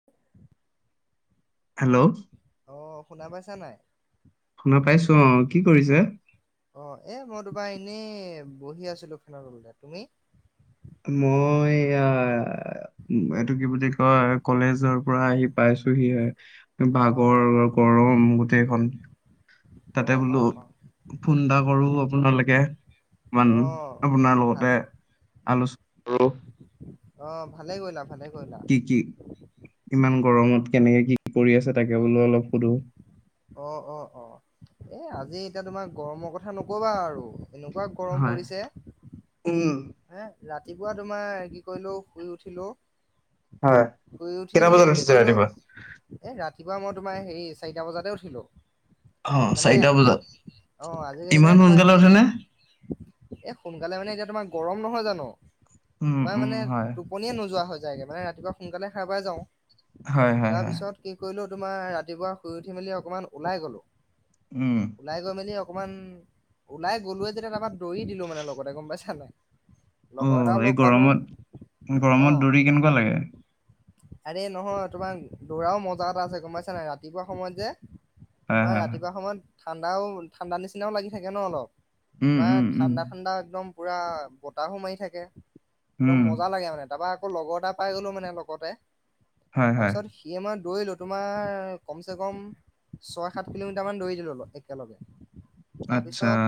[inaudible] Hello অ শুনা পাইছা নাই? শুনা পাইছো অ কি কৰিছে? অ এ মই তোমাৰ এনেই বহি আছিলো ফেন তলতে তুমি? মই এ এইটো কি বুলি কয়। কলেজৰ পৰা আহি পাইছোহিহে অ অ ভাগৰ গৰম গোটেইখন। অ তাতে অ বোলো, অ ফোন এটা কৰোঁ আপোনালৈকে। অকমান অ আপোনাৰ ভাল লগতে আলোচনা কৰোঁ। অ', ভালেই কৰিলা, ভালেই কৰিলা। কি কি! ইমান গৰমত কেনেকে কি কৰি আছে, তাকে বোলো অলপ সোধোঁ! অ'অ'অ', এ আজি এতিয়া তোমাৰ গৰমৰ কথা নক'বা আৰু, এনেকুৱা গৰম হয়, পৰিছে উম্। হে ৰাতিপুৱা তোমাৰ কি কৰিলোঁ, শুই উঠিলোঁ। হয় শুই উঠি কেইটা বজাত পেলাই কি উঠিছে কৰিলোঁ? ৰাতিপুৱা এ ৰাতিপুৱা মই তোমাৰ হেৰি, চাৰিটা বজাতে উঠিলোঁ। অ মানে, চাৰিটা বজাত অ' আজিকালি ইমান মানে তোমাৰ সোনকালে সেই উঠেনে এ সোনকালে মানে এতিয়া তোমাৰ গৰম নহয় জানোঁ, উম তোমাৰ উম মানে হয় টোপনিয়ে নোযোৱা হৈ যায়গৈ মানে, ৰাতিপুৱা সোনকালে সাৰ পাই যাওঁ। হয় হয় হয় তাৰপিছত কি কৰিলোঁ? তোমাৰ ৰাতিপুৱা শুই উঠি মেলি অকনমান ওলাই গলোঁ। উম্। ওলাই গৈ মেলি অকণমান, ওলাই গ'লোৱে যেতিয়া তাৰপৰা দৌৰি দিলোঁ মানে লগতে, গম পাইছা নাই। অ' লগৰ এটাও এই লগ পালোঁ, গৰমত অ'। গৰমত দৌৰি কেনেকুৱা লাগে? আৰে নহয়, তোমাৰ দৌৰাও মজা এটা আছে, গম পাইছা নাই। ৰাতিপুৱা সময়ত যে হয়, তোমাৰ হয়, হয়। ৰাতিপুৱা সময়ত ঠাণ্ডাও, ঠাণ্ডা নিচিনাও লাগি থাকে ন' অলপ উম, উম, তোমাৰ। উম, ঠাণ্ডা ঠাণ্ডা একদম পূৰা বতাহো মাৰি থাকে, উম, একদম মজা লাগে মানে তাৰপৰা। আকৌ লগৰ এটা পাই গ'লো, মানে লগতে। হয়, হয়। তাৰপিছত সিয়ে মইয়ে দৌৰিলোঁ, তোমাৰ কমচে কম ছয় সাত কিলোমিটাৰ মান দৌৰি দিলোঁ, একেলগে। আচ্ছা, তাৰপিছত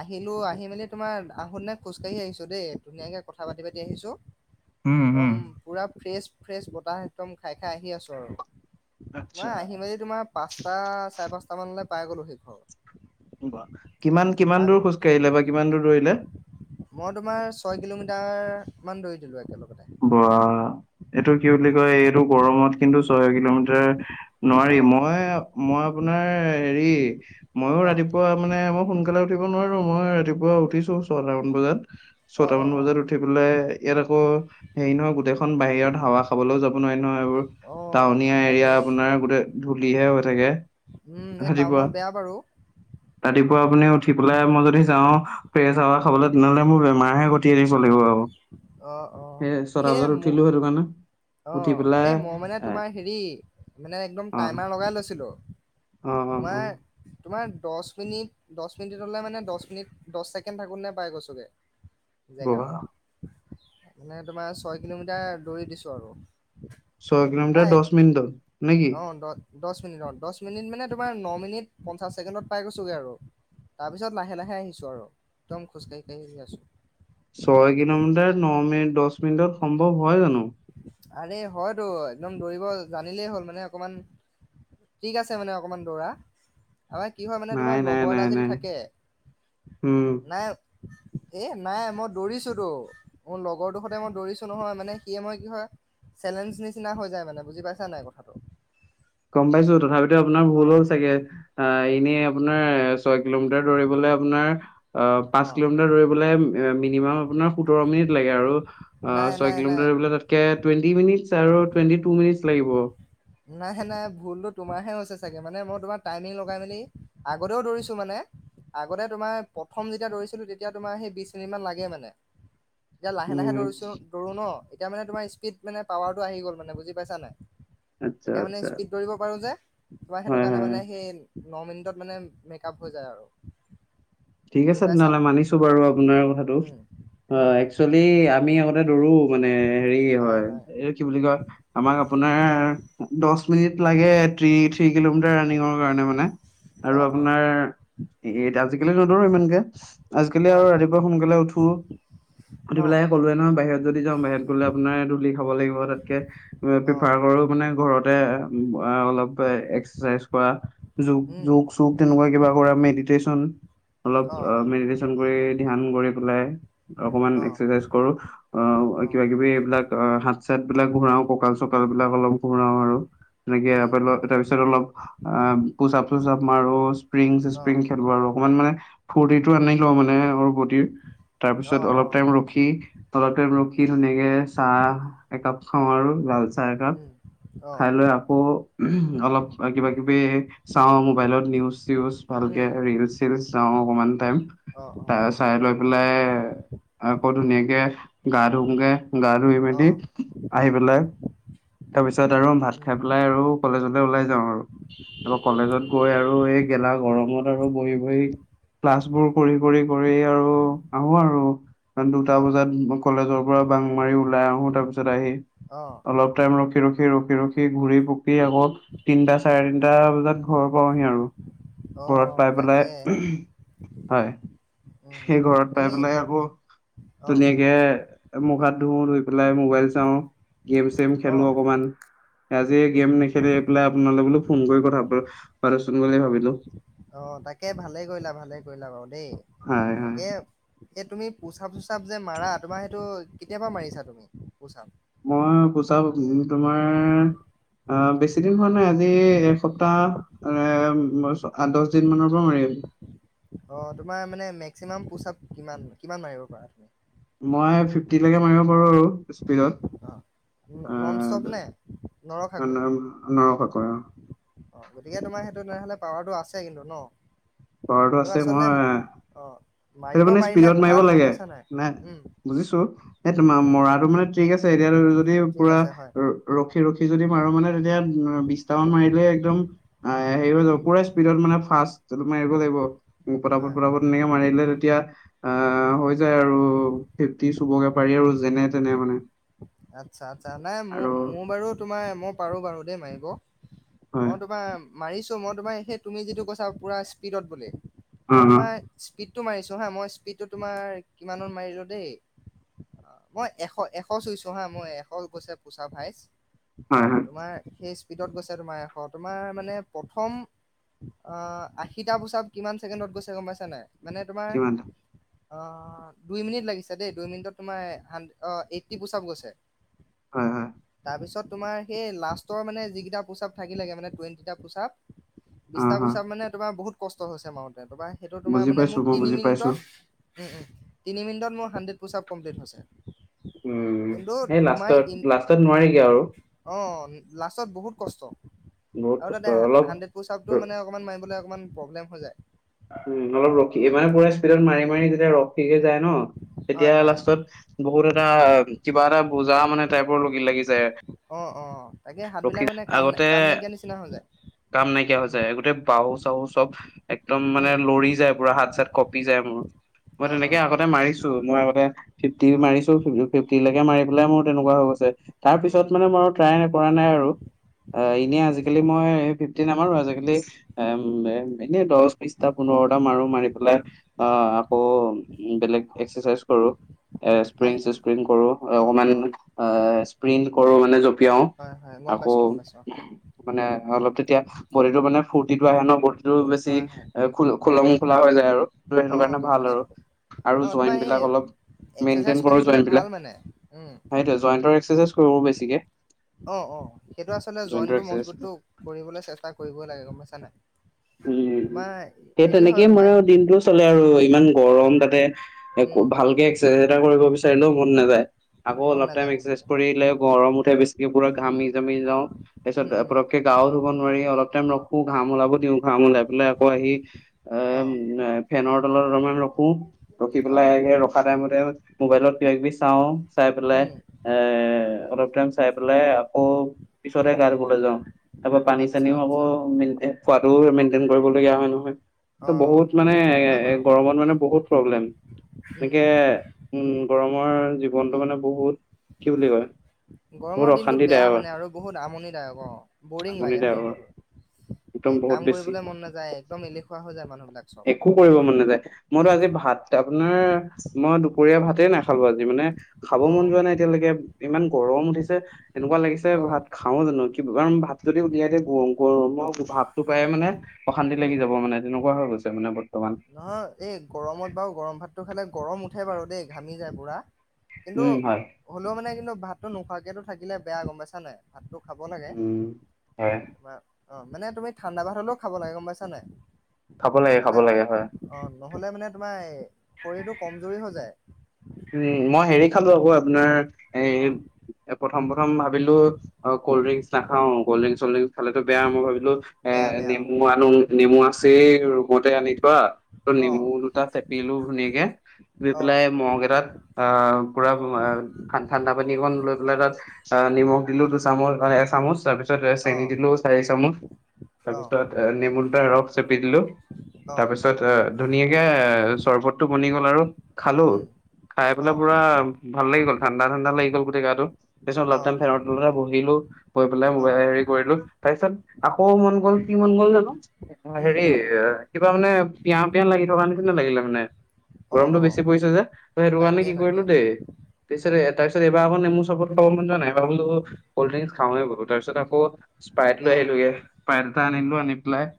আহিলোঁ, আহি মেলি তোমাৰ আহোঁতেনে খোজকাঢ়ি আহিছোঁ দেই, ধুনীয়াকৈ কথা পাতি পাতি আহিছোঁ। উম, উম। একদম পূৰা ফ্ৰেছ ফ্ৰেছ বতাহ একদম খাই খাই আহি আছোঁ আৰু, আচ্ছা, তোমাৰ আহি মেলি তোমাৰ পাঁচটা, চাৰে পাঁচটামানলৈ পাই গ'লোঁহি ঘৰ। কিমান, কিমান তাৰ দূৰ খোজকাঢ়িলা বা কিমান দূৰ দৌৰিলা। মই তোমাৰ ছয় কিলোমিটাৰ মান দৌৰি দিলোঁ একেলগতে। বা এইটো কি বুলি কয়, এইটো গৰমত কিন্তু ছয় কিলোমিটাৰ অ নোৱাৰি। মই মই আপোনাৰ হেৰি, ময়ো অ ৰাতিপুৱা মানে মই সোনকালে উঠিব নোৱাৰোঁ, মই ৰাতিপুৱা উঠিছোঁ, ছটামান বজাত। অ অ ছয়টামান অ বজাত উঠি পেলাই, ইয়াত আকৌ হেৰি নহয়, গোটেইখন বাহিৰত হাৱা খাবলৈও যাব নোৱাৰি নহয়। এইবোৰ আৰু অ টাউনীয়া এৰিয়া, তাকে আপোনাৰ গোটেই ধূলিহে হৈ থাকে। উম্, সেই ৰাতিপুৱা। টাউনত বেয়া বাৰু। ৰাতিপুৱা আপুনি উঠি পেলাই, মই যদি যাওঁ, ফ্ৰেছ হাৱা উম খাবলৈ। তেনেহ'লে মোৰ বেমাৰহে ঘটি আনিব লাগিব আৰু। অ'অ', সেই মোৰ সেইটো কাৰণে উঠি অ', পেলাই এই মই মানে এ তোমাৰ হেৰি, মানে একদম অ টাইমাৰ লগাই লৈছিলোঁ। অ অ অ তোমাৰ, তোমাৰ দহ মিনিট দহ মিনিট হ'লে, মানে দহ দহ ছেকেণ্ড থাকোতেনে পাই গৈছোঁগে, বহা জেগাত। মানে তোমাৰ, ছয় কিলোমিটাৰ দৌৰি দিছোঁ আৰু। ছয় কিলোমিটাৰ, প্ৰায় দহ মিনিটত নেকি? অ দহ দহ মিনিটত, দহ মিনিট মানে তোমাৰ ন মিনিট পঞ্চাশ ছেকেণ্ডত পাই গৈছোঁগে আৰু। তাৰপিছত ন লাহে লাহে আহিছো আৰু একদম খোজ কাঢ়ি আছো। ছয় কিলোমিটাৰ ন মিনিট দহ মিনিটৰ সম্ভৱ হয় জানো? আৰে হয়তো একদম দৌৰিব জানিলেই হ'ল মানে অকমান ট্ৰিক আছে মানে অকমান দৌৰা। অই কি হয় মানে নাই তোমাৰ নাই লগৰ এটা নাই যদি নাই থাকে, উম নাই এ নাই মই দৌৰিছো ত মোৰ লগৰ তো সতে মই দৌৰিছো নহয়, মানে ইয়ে মই কি হয় চেলেঞ্জ নিচিনা হৈ যায় মানে বুজি পাইছা নাই কথাটো। গম পাইছো তথাপিতো আপোনাৰ অ ভুল হয় চাগে। আই এনেই আপোনাৰ ছয় কিলোমিটাৰ দৌৰিবলে আপোনাৰ আহ অ পাঁচ কিলোমিটাৰ মিনিমাম আপোনাৰ সোতৰ মিনিট লাগে আৰু অ নাই ছয় নাই নাই কিলোমিটাৰ দৌৰিবলে তাতকে টুৱেণ্টি মিনিট আৰু টুৱেটি টিনি লাগিব। নাই নাই ভুলতো তোমাৰহে হৈছে চাগে মানে মই তোমাৰ টাইমিং লগাই মেলি আগতেও দৌৰিছো মানে। আগতে তোমাৰ প্ৰথম যেতিয়া দৌৰিছিলো তেতিয়া তোমাৰ সেই বিশ মিনিট মান লাগে মানে। এতিয়া লাহে উম লাহে দৌৰিছো দৌৰো ন এতিয়া মানে তোমাৰ স্পীড মানে পাৱাৰটো আহি গ'ল মান বুজি পাইছা নাই। আচ্ছা এতিয়া মানে আচ্ছা স্পীড দৌৰিব পাৰো যে তোমাৰ সেইটো হয়, কাৰণে হয়, হয়। মানে সে ন মিনিটত মানে মেকআপ হৈ যায় আৰু। ঠিক বুজি আছে পাইছা তেনেহ'লে মানিছো বাৰু, আপোনাৰ কথাটো উম, অ উম, একচেলি আমি নে দৌৰো মানে হেৰি হয় এইটো কি বুলি কয় আমাক আপোনাৰ দহ মিনিট উম, লাগে থ্ৰি কিলোমিটাৰ ৰানিঙৰ কাৰণে মানে। আৰু অ', অ', আপোনাৰ এট আজিকালি নদৌৰো ইমানকে। আজিকালি আৰু হয়, হয়, ৰাতিপুৱাই সোনকালে উঠো উঠি অ', পেলাই ক'লোৱে নহয় বাহিৰত যদি যাওঁ বাহিৰত গ'লে আপোনাৰ ধূলি খাব লাগিব তাতকে প্ৰিফাৰ অ', কৰো মানে ঘৰতে আ অলপ এ এক্সাৰচাইজ কৰা। যোগ উম, যোগ চোগ তেনেকুৱা কিবা কৰা মেডিটেচন অলপ অ মেডিতে চন কৰি ধ্যান কৰি পেলাই আৰু অকমান অ', এক্সাৰচাইজ কৰো। অ কিবা কিবি এইবিলাক হাত চাত বিলাক ঘূৰাও ককাল চকালবিলাক অলপ ঘূৰাও আৰু। সেনেকে আ উম, আপাৰ ল তাৰ পিছত অলপ অ পুচাপ চুচাপ মাৰো স্প্ৰিং স্প্ৰিং অ', খেলো আৰু। অকমান মানে ফূৰ্তিটো আনি উম, লওঁ মানে আৰু বডিৰ তাৰপিছত অ', অলপ অ', টাইম ৰখি অলল টাইম ৰখি ধুনীয়াকে চাহ একাপ খাওঁ আৰু লাল চাহ একাপ উম, অ', খাই লৈ আক অলপ কিবা কিবি চাওঁ মোবাইলত নিউজ চিউজ ভালকে উম, ৰিলচ চিলিছ চাওঁ অকমান টাইম অ', তাচ চাই লৈ পেলাই আক ধুনীয়াকে গা ধুও গে। গা ধুই অ', মেলি অ', আহি পেলাই তাৰপিছত আৰু ভাত উম, খাই পেলাই আৰু কলেজলে ওলাই যাওঁ আৰু ত উম, উম, কলেজত গৈ আৰু এই গেলা গৰমত আৰু বহি বহি ক্লাছবোৰ কৰি কৰি কৰি আৰু আহো আৰু। কাৰণ দুটা অ', বজাত মই কলেজৰ পৰা বাং মাৰি ওলাই আহো তাৰপিছত আহি অ', অলপ অলপ টাইম ৰখি ৰখি ৰখি ৰখি ঘূৰি পুকি আকৌ তিনটা চাৰে তিনটা বজাত ঘৰৰ পাওহি আৰু, ঘৰত অ', পাই তাকে, পেলাই, হয়। উম, সেই ঘৰত পাই তুমি পেলাই আকৌ অ', তুনীয়াকে মুখ হাত ধুও ধুই পেলাই মোবাইল চাওঁ গেম চেম খেলো অ', অকমান। আজি এই গেম নেখেলি পেলাই আপোনালে বোলো ফোন কৰি কথা পাতোচোন বুলি ভাবিলো। অ তাকে ভালে কৰিলা ভালে কৰিলা বাৰু দেই। হয় হয় তাকে এই তুমি পুচাব চুচাব যে মাৰা তোমাৰ সেইটো কেতিয়াৰ পৰা মাৰি আছা তুমি পুচাব? মই পোচাব তোমাৰ অ বেছি দিন হোৱা নাই, আজি এসপ্তাহ এ আঠ দহ দিনমানৰ পৰা মাৰি আছো। অ তোমাৰ মানে মেক্সিমাম পোচাপ কিমান কিমান মাৰিব পাৰা! মই ফিফটিলৈকে মাৰিব পাৰো। স্পীদত অ। নন ষ্টপ নে আ, নৰখাকৈ? নৰখাকৈ অৱ। অ গতিকে তোমাৰ সেইটো তেনেহলে পাৱাৰটো আছে কিন্তু ন! পাৱাৰটো এইটো আছে আচলতে মই অ সেইটো মাৰিব মানে পাৰিলে স্পীডত মাৰিব ভাল লাগে গম পাইছা নাই, উম। বুজিছো, এই তোমাৰ উম মৰাটো মানে ঠিক আছে এতিয়া যদি ঠিক পুৰা আছে হয় ৰখি ৰখি যদি মাৰো মানে তেতিয়া বিশটামান মাৰিলে একদম হেৰি হৈ উম যাব, পুৰা স্পীডত মানে ফাৰ্ষ্ট মাৰিব লাগিব ফটা হয় হয় ফত মাৰিলে তেতিয়া আহ উম হৈ যায় আৰু ফিফটি চুবগে পাৰি আৰু যেনে তেনে মানে। আচ্ছা আচ্ছা নাই মোৰ আৰু মোৰ বাৰু তোমাৰ মই পাৰো বাৰু দেই মাৰিব। হয় মই তোমাৰ মাৰিছো মই তোমাৰ সেই তুমি যিটো কৈছা পুৰা স্পীডত বুলি অ মই অ তোমাৰ স্পীডটো মাৰিছোঁ হা মই স্পীডটো তোমাৰ কিমানমানত মাৰিলোঁ দেই। অ মই এশ এশ চুইছো হা মই এশ গৈছে পোচাপ হাইচ। হয় হয়। তোমাৰ সেই স্পীডত গৈছে তোমাৰ এশ তোমাৰ মানে প্ৰথম আহ আশিটা পুচাব কিমান ছেকেণ্ডত গৈছে গম পাইছা নাই! মানে তোমাৰ কিমান অ দুই মিনিট লাগিছে দেই, দুই মিনিটত তোমাৰ এইটটি পোচপ গৈছে। হয় হয়। তাৰপিছত তোমাৰ সেই লাষ্টৰ মানে যিকেইটা পোচাব থাকিলোগে মানে টুৱেন্টি টা পোচাক। অ বিছটা হয় পুচাব মানে তোমাৰ বহুত কষ্ট হৈছে মাৰোতে তোমাৰ সেইটো তোমাৰ বুজি মানে পাইছো মোৰ মই তিনি বুজি পাইছো মিনিটত উম, উম, তিনি মিনিটত মোৰ হাণ্ড্ৰেড পোচাপ কমপ্লিট হৈছে। উম কিন্তু সেই লাষ্টত তোমাৰ ইন লাষ্টত নোৱাৰিগে আৰু অৱ, লাষ্টত বহুত কষ্ট। বহুত আৰু কষ্ট তাতে হা অলপ হাণ্ড্ৰেড পোচাপটো মানে অকণমান মাৰিবলৈ অকণমান প্ৰব্লেম হৈ যায়। উম, অলপ ৰখি দিবা পোৰা ইস্পীডত মাৰি মাৰি যেতিয়া ৰখি দিবা ন হয় তেতিয়া হয় লাষ্টত বহুত এটা কিবা এটা বুজা মানে টাইপৰ লগ লাগি যায়। অৱ অৱ তাকে ৰখি হাতবিলাক মানে কাম আগতে কাম নাইকিয়া নিচিনা হৈ যায়। কাম নাইকিয়া হৈ উম যায় গোটেই বাহু চাহু চ'ব একদম মানে উম লৰি যায় পুৰা হাত চাত কঁপি যায় মোৰ। মই অ অ তেনেকে আগতে মাৰিছো মই আগতে ফিফটি অ মাৰিছো। [unintelligible] ফিফটি লৈকে মাৰি পেলাই মোৰ তেনেকুৱা হৈ গৈছে। তাৰ উম পিছত মানে মই ট্ৰাই কৰা নাই আৰু অ উম এনে আজি আজি কালি মই ফিফটি নামাৰো আজি কালি এনে দহ দশটা পোন্ধৰটা মাৰো মাৰি পেলাই অ আকৌ বেলেগ এক্সাচাইজ কৰোঁ। এ, উম ইস্প্ৰিং মানে চিস্পিং কৰো অ অকমান অ অ', ইস্প্ৰিং কৰো মানে জপ জঁপিয়াও, হয় হয় গম আকৌ পাইছো গম পাইছো মানে অলপ তেতিয়া বদিটো মানে ফূৰ্তি আহে ন বদিটো বেছি হয় হয় এ খোল, খোলোং খোলা হৈ যায় আৰু সেইটো অ কাৰণে গম ভাল আৰু পাইছো অ আৰু তোমাৰ জইণ্ট এই বিলাক অলপ এক্সাৰচাইজ মেইনটেইন কৰি কৰো থাকিলে জইণ্ট ভাল বিলাক। মানে উম সেইটোৱে জইণ্টৰ এক্সেচাইজ কৰোঁ বেছিকে। অ', অ' সেইটো আচলতে জইন্টৰ জইনটো এক্সাৰচাইজ মজবুতটো কৰিবলৈ চেষ্টা কৰিবই লাগে গম পইচা নাই। উম, তোমাৰ সেই হেৰি তেনেকে হয় মই তোমাৰ ও আৰু দিনটোত আচলতে আৰু ইমান গৰম তাতে উম ভালকে এক্সেচাইজ এটা কৰিব বিচাৰিলেও মন নাযায়। আকৌ মন অলপ টাইম নাযায় মন এক্সেচাইজ নাযায় কৰিলে গৰম উঠে বেছিকে পূৰা ঘামি-জামি যাওঁ তাৰপিছত উম উম অলপ তাকে গা ধুব নোৱাৰি অলপ টাইম ৰখো ঘাঁম ওলাব দিও ঘাম ওলাই পেলাই আকৌ আহি এ অ ফেনৰ তলত অলমান ৰখো ৰখি অ পেলাই ৰখা টাইমতে মোবাইলত কিবা কিবি চাওঁ চাই পেলাই উম এ অলপ টাইম চাই পেলাই আকৌ পিছত হে গা ধুব যাও। তাৰ পৰা পানী আচ্ছা চানীও আকৌ আচ্ছা মেইনটেইন খোৱাটোও মেইনটেইন কৰিবলগীয়া হয় অ নহয়। বহুত সেইটো মানে সেইটো হয় বাৰু গৰমত মানে বহুত প্ৰব্লেম উম তাকে উম, গৰমৰ জীৱনটো মানে বহুত কি বুলি কয়। বহুত গৰমৰ দিনটো বেয়া অশান্তিদায়ক মানে আৰু বহুত আমনি দায়ক অ' বৰিং লাগে হয় আমনিদায়ক নহয় বাৰু। একদম এ বহুত কাম বেছি কৰিবলৈ মন নাযায় একদম এলেহুৱা হৈ যায় মানুহবিলাক চব একো কৰিব মন নাযায় মইতো উম আজি ভাত এতিয়া আপোনাৰ মই দুপৰীয়া ভাতেই নাখালো আজি মানে খাব অ মন যোৱা নাই। এতিয়ালৈকে ইমান গৰম উঠিছে, এনেকুৱা লাগিছে অ ভাত খ খাও জানো কিবা ভাত যদি উলিয়াই দিয়ে গম গৰমৰ ভাৱটো পায়ে মানে অশান্তি লাগি উম যাব মানে তেনেকুৱা হৈ গৈছে মানে ব নহয় এই গৰমত বাৰু গৰম ভাতটো খালে গৰম উঠে বাৰু দেই ঘামি যায় পুৰা। কিন্তু উম, হয়। হ'লেও মানে কিন্তু ভাতটো নোখোৱাকেতো থাকিলে বেয়া গম পাইছা নাই। ভাতটো খাব লাগে উম, হয় তোমা অ' মানে তুমি ঠাণ্ডা ভাত হলেও খাব লাগে গম পাইছা নাই? খাব লাগে, খাব নহ'লে লাগে হয়। অ' নহ'লে মানে তোমাৰ শৰীৰটো কমজোৰি হৈ যায়। উম, মই হেৰি খালো আপোনাৰ এ অ এ প্ৰথম, প্ৰথম ভাবিলো অ' কলড্ৰিংছ নাখাও কলড্ৰিং-চলড্ৰিং খালেটো বেয়া মই ভাবিলো এ বেয়া বেয়া নেমু আৰু নেমু আছে ৰুমতে আনি থোৱা। অ অ'নেমু দুটা চেপিলো ধুনীয়াকে দি অ পেলাই মগ এটা তাত আহ পুৰা ঠাণ্ডা পানী অকন লৈ পেলাই তাত অ' নিমখ দিলো দিলো চামুচ এ চামুচ তাৰপিছত তাৰপিছত অ চেনি দিলো চাৰি চামুচ অ তাৰপিছত নেমু দুটা ৰস চেপিটিলো অ তাৰ পিছত ধুনীয়াকে বনি গ'ল আৰু খালো উম খাই অ পেলাই পুৰা ভাল লাগি গ'ল ঠাণ্ডা, ঠাণ্ডা লাগি গল গোটেই গাটো। তাৰিত অলপ অ টাইম ফেনৰ তলতে বহিলো, বহি পেলাই অ মবাই কৰিলো তাৰ পিছত আকৌ মন গ'ল কি মন গ'ল জানো উম হেৰি এ কিবা মানে পিয়াহ পিয়ান লাগি থকা নে কি নে লাগিলে মানে অ গৰমতটো অ বেছি পৰিছে যে। ত সেৰুৱানে তাকে কি কৰিলো তাকে দেই তাৰ উম পিছ তাৰপিছত এইবাৰ আকে মোৰ চাপ খাব মন যোৱা নাই এইবাৰ বোলো কল্ড ড্ৰিংক খাওনে বলো তাৰপিছত আকৌ স্প্ৰাইট অ লৈ আহিলোগে স্পাইট এটা আনিলো আনি পেলাই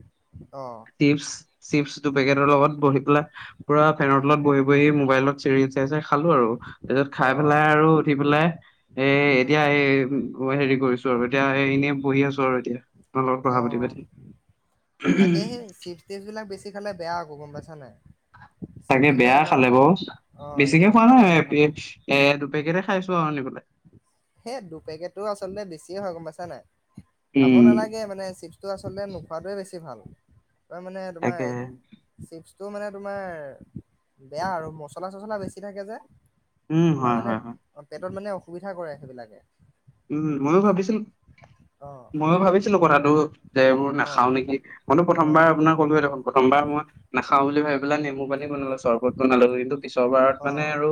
অ', চিপছ, চিপছ দু পেকেটৰ লগত বহি পেলা পুৰা ফেনৰ উম তলত বহি, বহি মোবাইলত চিৰি চ চাই খালো আৰু তাৰ পিছত অ খাই পেলাই আৰু উঠি পেলাই এ উম এতিয়া এই হেৰি কৰিছো আৰু এতিয়া এনেই বঢহি আছো আৰু এতিয়া। তাৰ লগত পঢ়া অ পাতি, পাতি। টেষ্টবিলাক বেছি খালে বেয়া আকৌ গম পাইছা নাই? চিপছ তাকে বিলাক বেয়া ইমান খালে বাৰ অ বেছিকে ইমান খোৱা খালে ভাল নাই নহয় এ দুপেকেট খাইছো আৰু আহ, পেললে। হেই দুপেকেটো আচলতে বেছিয়ে হয় গম পাইছা নাই খাব উম নালাগে মানে চিপ টো আচলতে নোখোৱাটোৱে বেছি ভাল, তাৰ মানে তোমাৰ তাকে চিপছটো মানে তোমাৰ বেয়া আৰু মচলা-চচলা বেছি থাকে যে। উম তোমাৰ হয় মানে, হয় হয় পেটত মানে অসুবিধা কৰে। এইবিলাকে। মইও ভাবিছিলোঁ। অ। মইো ভাবিছিলোঁ কথাটো, যে এইবোৰ নাখাওঁ নেকি। মইতো প্ৰথমবাৰ অঁ আপোনাৰ কলোহে দেখোন। প্ৰথমবাৰ মই নাখাওঁ বুলি ভাবি পেলাই, নেমু পানী বনালোঁ, চৰবত বনালোঁ, কিন্তু পিছৰ বাৰত মানে অঁ আৰু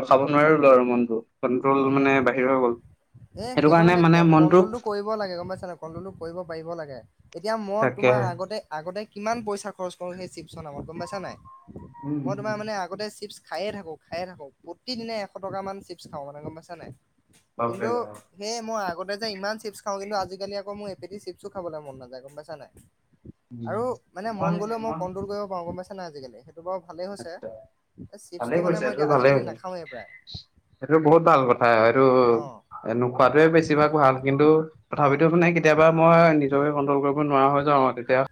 ৰখাব নোৱাৰিলোঁ আৰু। মনতটো কন্ট্ৰল মানে অঁ বাহিৰ হৈ গ'ল। এ সেইটো মানে কণ্ট্ৰলটো কৰিব লাগে, গম পাইছা নাই। কণ্ট্ৰলটো কৰিব পাৰিব লাগে। এতিয়া মই তোমাৰ তাকেহে আগতে আগতে কিমান পইচা খৰচ কৰো, সেই শিৱশৰ নামত গম পাইছা নাই? উম মই তোমাৰ উম মানে আগতে চিপছ খাই থাকোঁ, খাই থাকোঁ। প্ৰতিদিনে এশ টকা মান চিপছ গম পইচা নাই, বাপৰে কিন্তু বাপ সেই মই আগতে যে ইমান চিপছ খাওঁ, আজিকালি আকৌ মোৰ এপিচ চিপছো খাবলৈ মন নাযায় গম পাইছা নাই। উম আৰু মানে মন গ'লেও মই কণ্ট্ৰল কৰিব পাৰোঁ, গম পাইছা নাই আজিকালি সেই এইটো বৰু ভালেই হৈছে। আচ্ছা ভালে চিপছটো মই কৰিছে এইটো এতিয়া ভালে আজিকালি হৈছে নাখাওঁৱেই। এইটো বহুত ভাল কথা। এইটো অ এনেকোৱাটোৱে বেছিভাগ ভাল, কিন্তু অ তথাপিতো মানে কেত কেতিয়াবা মই নিজকে কণ্ট্ৰল কৰিব নোৱাৰা হৈ যাওঁ আৰু। তেতিয়া